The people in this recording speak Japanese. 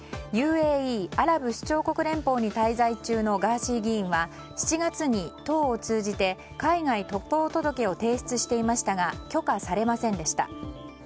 ＵＡＥ・アラブ首長国連邦に滞在中のガーシー議員は７月に党を通じて海外渡航届を提出していましたが許可されませんでした。